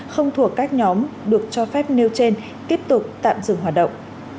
không thuộc các nhóm được cho phép nêu trên tiếp tục tạm dừng hoạt động